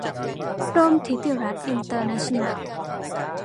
ร่มธิติรัตน์อินเตอร์เนชั่นแนล